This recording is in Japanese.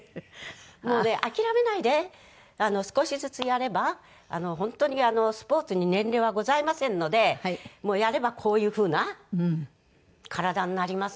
もうね諦めないで少しずつやれば本当にスポーツに年齢はございませんのでやればこういう風な体になりますのでね。